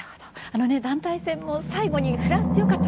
団体戦も最後にフランス良かった。